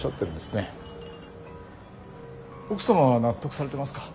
奥様は納得されてますか？